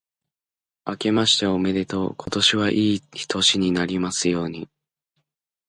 あけましておめでとう。今年はいい年になりますように。